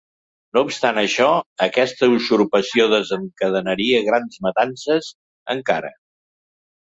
No obstant això, aquesta usurpació desencadenaria grans matances encara.